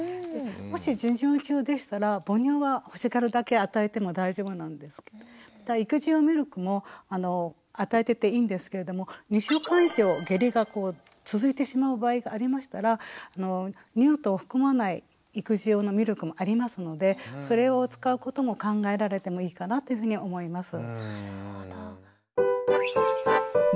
もし授乳中でしたら母乳は欲しがるだけ与えても大丈夫なんですけどまた育児用ミルクも与えてていいんですけれども２週間以上下痢が続いてしまう場合がありましたら乳糖を含まない育児用のミルクもありますのでそれを使うことも考えられてもいいかなというふうに思います。